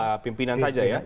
dua pimpinan saja ya